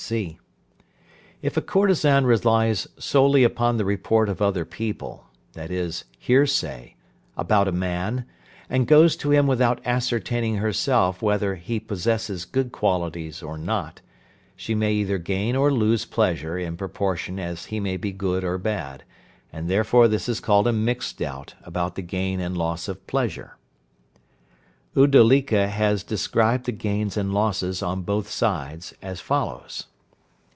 (c). If a courtesan relies solely upon the report of other people (i.e., hearsay) about a man, and goes to him without ascertaining herself whether he possesses good qualities or not, she may either gain or lose pleasure in proportion as he may be good or bad, and therefore this is called a mixed doubt about the gain and loss of pleasure. Uddalika has described the gains and losses on both sides as follows.